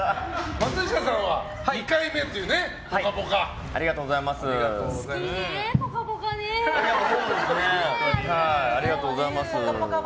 松下さんは２回目という「ぽかぽか」は。